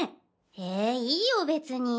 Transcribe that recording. えぇいいよ別に。